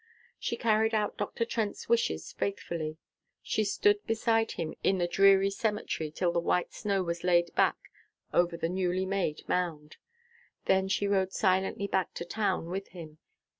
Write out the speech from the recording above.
She carried out Dr. Trent's wishes faithfully. She stood beside him in the dreary cemetery till the white snow was laid back over the newly made mound. Then she rode silently back to town with him.